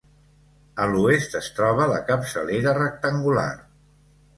A l'oest es troba la capçalera rectangular.